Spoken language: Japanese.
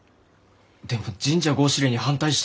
でも神社合祀令に反対したら。